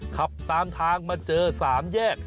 ขับตามทางมาเจอ๓แยก